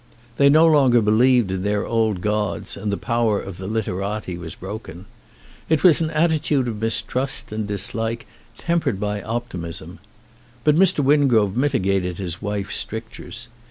They no longer believed in their old gods and the power of the literati was broken. It is an attitude of mistrust and dislike tempered by optimism. But Mr. Wingrove mitigated his wife's strictures.